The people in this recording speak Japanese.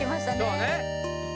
そうね